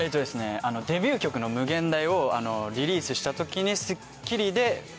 デビュー曲の『無限大』をリリースした時に。